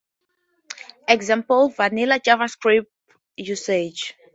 example vanilla JavaScript usage